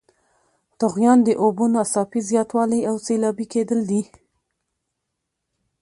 طغیان د اوبو ناڅاپي زیاتوالی او سیلابي کیدل دي.